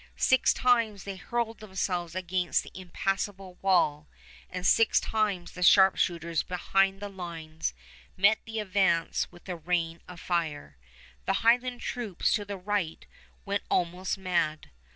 Six times they hurled themselves against the impassable wall, and six times the sharpshooters behind the lines met the advance with a rain of fire. The Highland troops to the right went almost mad.